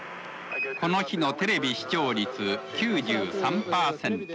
この日のテレビ視聴率９３％。